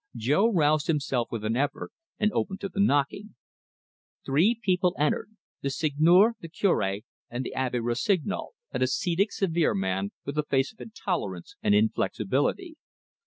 Jo roused himself with an effort, and opened to the knocking. Three people entered: the Seigneur, the Cure, and the Abbe Rossignol, an ascetic, severe man, with a face of intolerance and inflexibility.